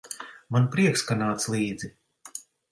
Man prieks, ka nāc līdzi.